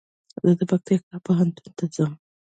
زه پکتيا پوهنتون ته ځم